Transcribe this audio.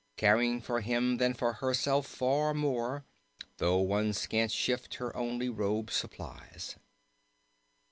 Caring for him than for herself far more, Though one scant shift her only robe supplies."